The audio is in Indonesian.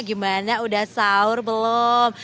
gimana udah sahur belum